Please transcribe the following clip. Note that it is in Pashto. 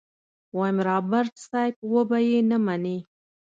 ويم رابرټ صيب وبه يې نه منې.